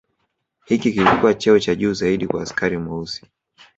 Hiki kilikua cheo cha juu zaidi kwa askari Mweusi